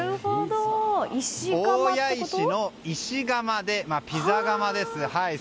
大谷石の石窯、ピザ窯ですね。